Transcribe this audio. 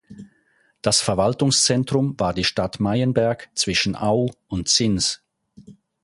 Das Verwaltungszentrum war die Stadt Meienberg zwischen Auw und Sins.